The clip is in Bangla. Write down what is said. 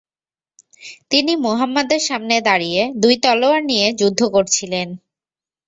তিনি মুহাম্মদের সামনে দাঁড়িয়ে দুই তলোয়ার নিয়ে যুদ্ধ করছিলেন।